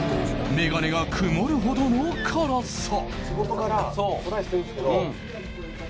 眼鏡が曇るほどの辛さ。